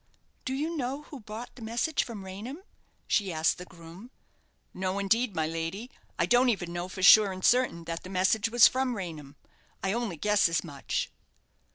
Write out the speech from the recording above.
"Do you know who brought the message from Raynham?" she asked the groom. "No, indeed, my lady. I don't even know for sure and certain that the message was from Raynham. I only guess as much."